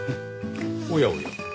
おやおや。